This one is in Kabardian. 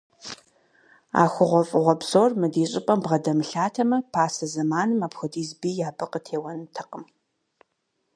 А хъугъуэфӏыгъуэ псор мы ди щӏыпӏэм бгъэдэмылъатэмэ, пасэ зэманым апхуэдиз бий абы къытеуэнтэкъым.